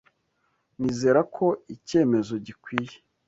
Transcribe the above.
Nizera ko icyemezo gikwiye.